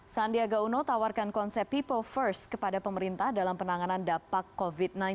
sandiaga uno tawarkan konsep people first kepada pemerintah dalam penanganan dampak covid sembilan belas